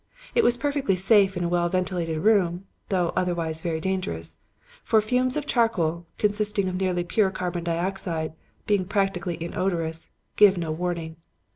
It was perfectly safe in a well ventilated room, though otherwise very dangerous; for the fumes of charcoal, consisting of nearly pure carbon dioxide, being practically inodorous, give no warning.